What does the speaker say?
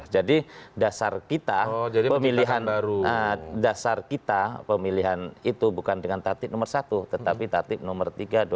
jadi dasar kita pemilihan itu bukan dengan tatib nomor satu tetapi tatib nomor tiga dua ribu tujuh belas